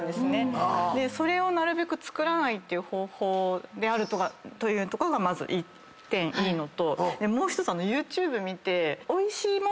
それをなるべく作らないという方法であるというとこがまず１点いいのともう１つＹｏｕＴｕｂｅ見て。